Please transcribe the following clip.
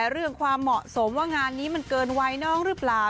เรื่องความเหมาะสมว่างานนี้มันเกินวัยน้องหรือเปล่า